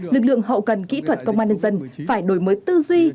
lực lượng hậu cần kỹ thuật công an nhân dân phải đổi mới tư duy